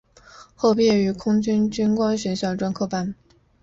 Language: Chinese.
后毕业于空军军官学校专科班。